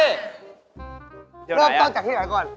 นี่ว่าไหนล่ะเริ่มต้นไปที่ไหนก่อน